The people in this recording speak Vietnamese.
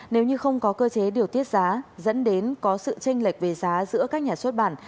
nếu như không có cơ chế điều tiết giá dẫn đến có sự tranh lệch về giá giữa các nhà xuất bản